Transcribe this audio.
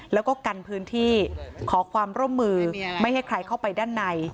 แล้วก็กันพื้นที่ขอความร่วมมือไม่ให้ใครเข้าไปด้านใน